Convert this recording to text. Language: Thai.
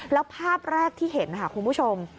แล้วภาพแรกที่เห็นค่ะคุณผู้ชม